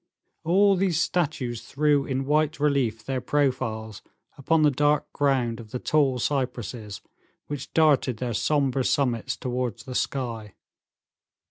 All these statues threw in white relief their profiles upon the dark ground of the tall cypresses, which darted their somber summits towards the sky.